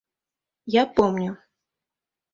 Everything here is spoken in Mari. Я помню.